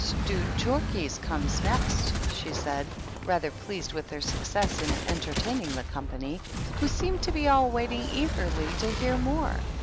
"* Stewed Chorkeys^ comes next/' she said, rather pleased with her success in entertaining the company, who seemed to be all waiting eagerly to hear more.